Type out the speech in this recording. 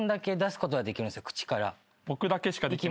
僕だけしかできない。